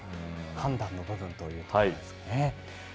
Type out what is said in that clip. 判断の部分ということなんですね。